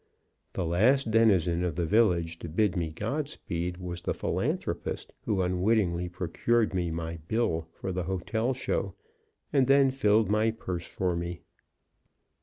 The last denizen of the village to bid me God speed was the philanthropist who unwittingly procured me my "bill" for the hotel show, and then filled my purse for me.